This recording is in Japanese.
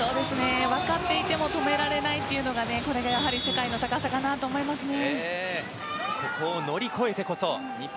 分かっていても止められないというのがこれが世界の高さかなと思いますね。